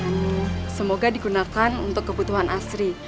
dan semoga digunakan untuk kebutuhan asri